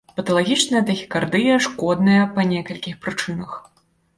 Паталагічная тахікардыя шкодная па некалькіх прычынах.